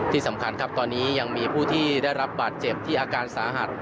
ที่สำคัญครับตอนนี้ยังมีผู้ที่ได้รับบาดเจ็บที่อาการสาหัส